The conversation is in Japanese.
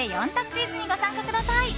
クイズにご参加ください。